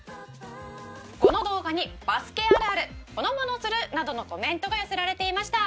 「この動画に“バスケあるある”“ほのぼのする”などのコメントが寄せられていました」